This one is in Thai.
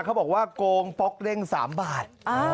เขาบอกว่าโกงป๊อกเร่ง๓บาท